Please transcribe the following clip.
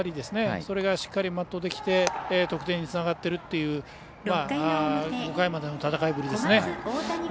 それがしっかり全うできて得点につながっているという５回までの戦いぶりですね。